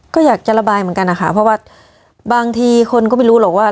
ก็อยากจะระบายเหมือนกันนะคะเพราะว่าบางทีคนก็ไม่รู้หรอกว่า